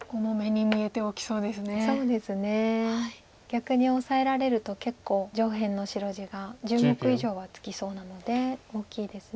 逆にオサえられると結構上辺の白地が１０目以上はつきそうなので大きいです。